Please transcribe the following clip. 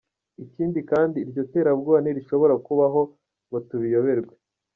Ikindi kandi iryo terabwoba ntirishobora kubaho ngo tubiyoberwe.